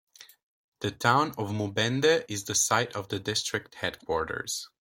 The town of Mubende is the site of the district headquarters.